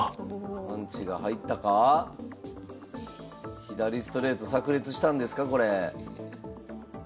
パンチが入ったか⁉左ストレートさく裂したんですかこれ。